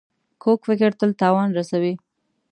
کوږ فکر تل تاوان رسوي